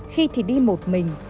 khi thì đi một mình